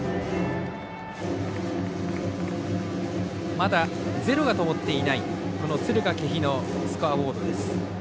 まだゼロがともっていない敦賀気比のスコアボードです。